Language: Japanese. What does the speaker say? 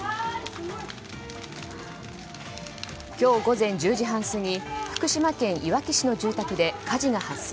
今日午前１０時半過ぎ福島県いわき市の住宅で火事が発生。